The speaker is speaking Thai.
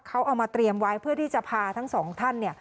เขาเอามาเตรียมไว้เพื่อที่จะพาทั้งสองท่าน